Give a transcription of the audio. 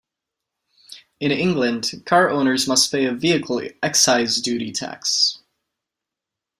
In England, car owners must pay a vehicle excise duty tax.